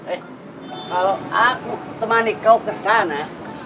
eh kalau aku temani kau kesana